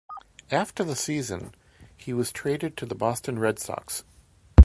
After the season, he was traded to the Boston Red Sox.